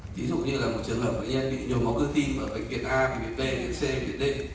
ví dụ như là một trường hợp bệnh nhân bị nhồi máu cư tim ở bệnh viện a bệnh viện b bệnh viện c bệnh viện d